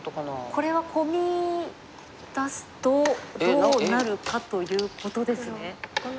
これはコミ出すとどうなるかということですね。